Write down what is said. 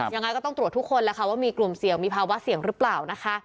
อย่างนั้นก็ต้องตรวจทุกคนว่ามีกลวมเสี่ยวมีภาวะเสี่ยงหรือเปล่า